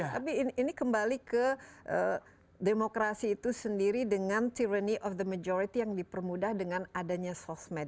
tapi ini kembali ke demokrasi itu sendiri dengan tyranny of the majority yang dipermudah dengan adanya sosmed